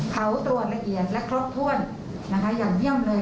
เขาตรวจละเอียดและครบถ้วนนะคะอย่างเยี่ยมเลย